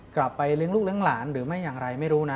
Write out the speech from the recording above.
กลับไปเลี้ยงลูกหลังหลานหรืออย่างไร